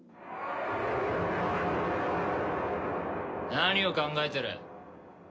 何を考えてる？